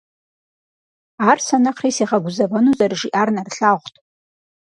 Ар сэ нэхъри сигъэгузэвэну зэрыжиӀар нэрылъагъут.